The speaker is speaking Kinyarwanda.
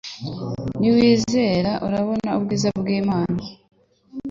Niwizera urabona ubwiza bw'Imana.